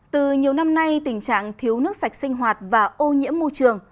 từ nhiều năm nay tình trạng thiếu nước sạch sinh hoạt và ô nhiễm môi trường